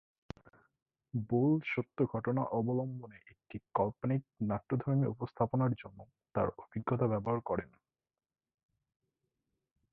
বোল সত্য ঘটনা অবলম্বনে একটি কাল্পনিক নাট্যধর্মী উপস্থাপনার জন্য তার অভিজ্ঞতা ব্যবহার করেন।